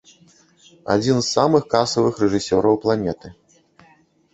Адзін з самых касавых рэжысёраў планеты.